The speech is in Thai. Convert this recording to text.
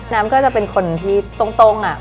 นามก็จะเป็นคนที่ตรงอะ